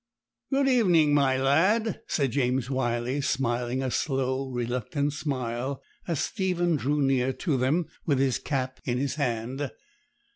'Good evening, my lad,' said James Wyley, smiling a slow, reluctant smile, as Stephen drew near to them with his cap in his hand.